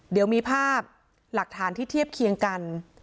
เดี๋ยวมีภาพหลักฐานที่เทียบเคียงกัน